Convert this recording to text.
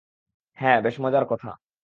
হ্যা, বেশ মজার কথা।